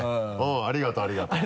ありがとうありがとう。